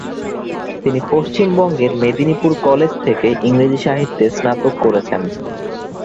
তিনি পশ্চিমবঙ্গের মেদিনীপুর কলেজ থেকে ইংরেজি সাহিত্যে স্নাতক করেছেন।